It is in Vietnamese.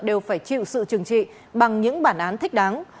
đều phải chịu sự trừng trị bằng những bản án thích đáng